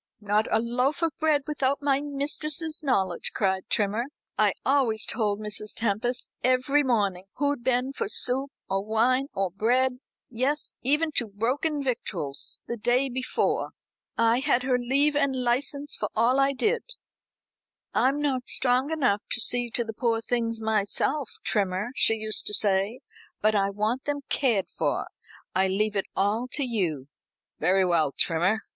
"Not a loaf of bread without my mistress's knowledge," cried Trimmer. "I always told Mrs. Tempest every morning who'd been for soup, or wine, or bread yes, even to broken victuals the day before. I had her leave and license for all I did. 'I'm not strong enough to see to the poor things myself, Trimmer,' she used to say, 'but I want them cared for. I leave it all to you.'" "Very well, Trimmer.